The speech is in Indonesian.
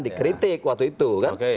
dikritik waktu itu kan